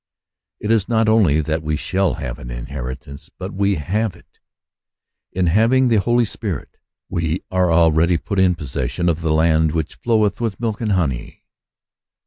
It is not only that we shall have an inheritance : but WE HAVE IT. In having the Holy Spirit, we are already put in possession of the land which floweth with milk and honey.